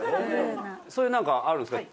そういうなんかあるんですか？